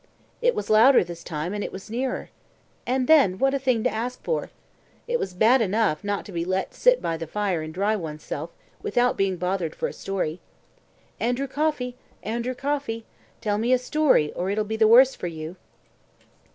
It was louder this time, and it was nearer. And then what a thing to ask for! It was bad enough not to be let sit by the fire and dry oneself, without being bothered for a story. "ANDREW COFFEY! ANDREW COFFEY!! Tell me a story, or it'll be the worse for you."